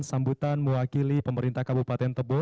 sambutan mewakili pemerintah kabupaten tebo